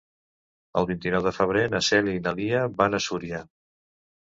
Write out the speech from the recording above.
El vint-i-nou de febrer na Cèlia i na Lia van a Súria.